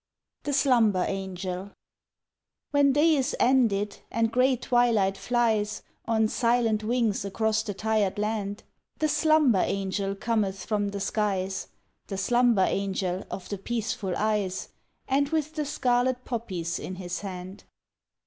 THE SLUMBER ANGEL When day is ended, and grey twilight flies On silent wings across the tired land, The slumber angel cometh from the skies The slumber angel of the peaceful eyes, And with the scarlet poppies in his hand.